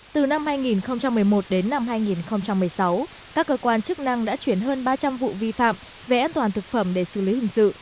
từ năm hai nghìn một mươi một đến năm hai nghìn một mươi sáu các cơ quan chức năng đã chuyển hơn ba trăm linh vụ vi phạm về an toàn thực phẩm để xử lý hình sự